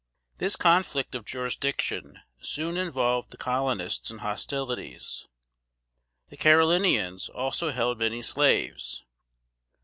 This conflict of jurisdiction soon involved the Colonists in hostilities. The Carolinians also held many slaves.